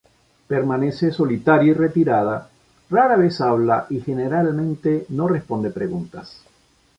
Permanece solitaria y retirada, rara vez habla y generalmente no responde preguntas.